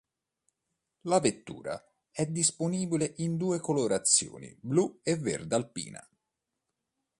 La vettura è disponibile in due colorazioni blu e verde Alpina.